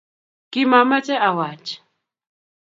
Kimamache awach